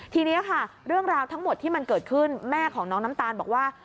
ทีนี้ค่ะเรื่องราวทั้งหมดที่มันเกิดขึ้นแม่ของน้องน้ำตาลบอกว่า